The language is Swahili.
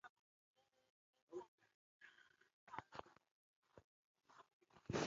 Ni kwa wale wenye maoni tofauti na ya kukosoa serikali